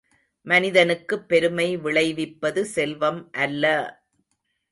மனிதனுக்குப் பெருமை விளைவிப்பது செல்வம் அல்ல!